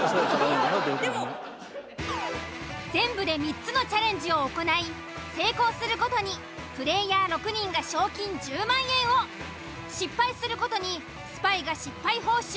今もう全部で３つのチャレンジを行い成功するごとにプレイヤー６人が賞金１０万円を失敗するごとにスパイが失敗報酬